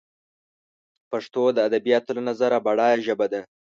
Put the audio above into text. پښتو دادبیاتو له نظره بډایه ژبه ده